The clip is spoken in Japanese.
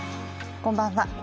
こんばんは。